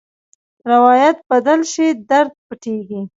روایت بدل شي، درد پټېږي.